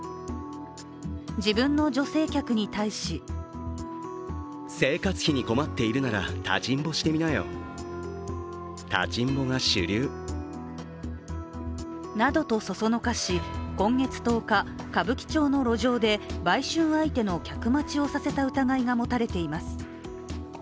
自分の女性客に対しなどとそそのかし、今月１０日歌舞伎町の路上で売春相手の客待ちをさせた疑いが持たれています。